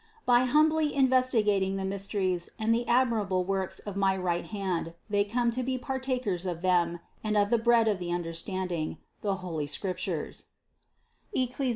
By humbly investigating the mysteries and THE CONCEPTION 81 the admirable works of my right hand, they come to be partakers of them and of the bread of the understanding, the holy Scriptures (Eccli.